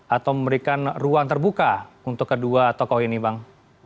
atau memberikan ruang terbuka untuk kedua tokoh ini bang